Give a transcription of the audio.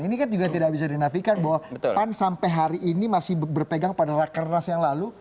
ini kan juga tidak bisa dinafikan bahwa pan sampai hari ini masih berpegang pada rakernas yang lalu